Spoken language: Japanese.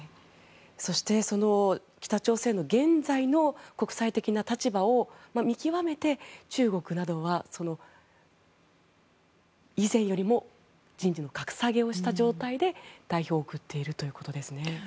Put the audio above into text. そして、その北朝鮮の現在の国際的な立場を見極めて中国などは以前よりも人事の格下げをした状態で代表を送っているということですね。